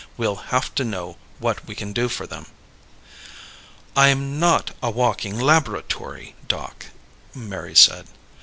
We'll have to know what we can do for them." "I'm not a walking laboratory, Doc," Mary said.